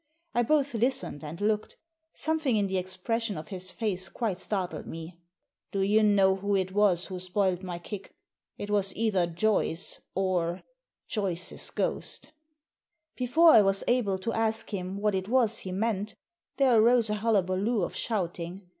I both listened and looked. Something in the expression of his face quite startled me. " Do you know who it was who spoilt my kick? It was either Joyce or — Joyce's ghost" Before I was able to ask him what it was he meant there arose a hullaballoo of shouting.